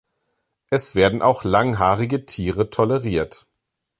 Es werden auch langhaarige Tiere toleriert.